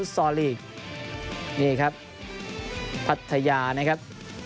ซอร์ลีกนี่ครับพัทยานะครับ